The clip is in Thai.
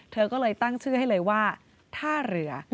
เธอก็เลยตั้งชื่อให้เลยว่าท่าเรือ